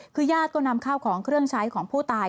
คือญาติก็นำข้าวของเครื่องใช้ของผู้ตาย